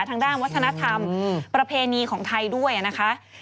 ทางด้านวัฒนธรรมประเพณีของไทยด้วยนะคะ